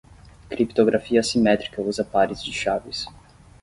Criptografia assimétrica usa pares de chaves.